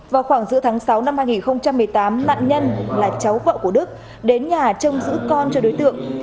vào khoảng giữa tháng sáu năm hai nghìn một mươi tám nạn nhân là cháu vợ của đức đến nhà trông giữ con cho đối tượng